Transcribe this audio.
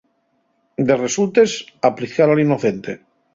De resultes, a plizcar al inocente.